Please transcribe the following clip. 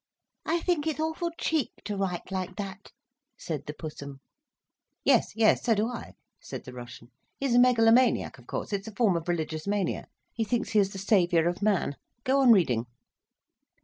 "I think it's awful cheek to write like that," said the Pussum. "Yes—yes, so do I," said the Russian. "He is a megalomaniac, of course, it is a form of religious mania. He thinks he is the Saviour of man—go on reading."